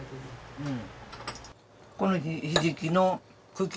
うん。